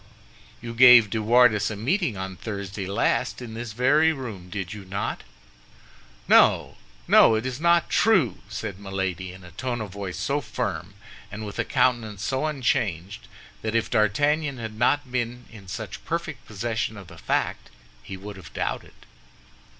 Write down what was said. "You gave De Wardes a meeting on Thursday last in this very room, did you not?" "No, no! It is not true," said Milady, in a tone of voice so firm, and with a countenance so unchanged, that if D'Artagnan had not been in such perfect possession of the fact, he would have doubted.